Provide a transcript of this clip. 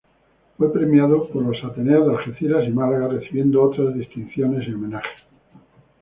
Fue premiado por los Ateneos de Algeciras y Málaga, recibiendo otras distinciones y homenajes.